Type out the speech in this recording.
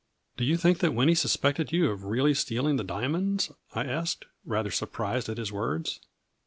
" Do you think that Winnie suspected you of really stealing the diamonds ?" I asked, rather surprised at his words.